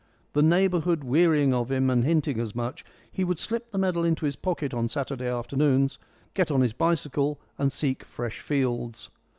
The neighbourhood wearying of him and hinting as much, he would slip the medal into his pocket on Saturday afternoons, get on his bicycle, and seek fresh fields.